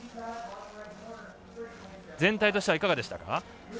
全体としてはいかがでしたか？